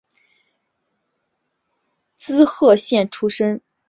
滋贺县出身。